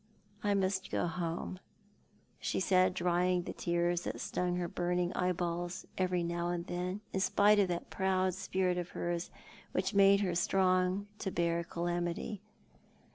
" I must go home/' she said, drying the tears that stung her burning eyeballs every now and then, in spite of that proud spirit of hers, which made her strong to bear calamity.